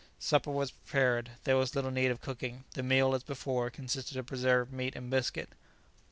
Supper was prepared. There was little need of cooking. The meal, as before, consisted of preserved meat and biscuit.